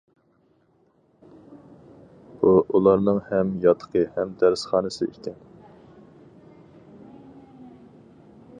بۇ ئۇلارنىڭ ھەم ياتىقى ھەم دەرسخانىسى ئىكەن.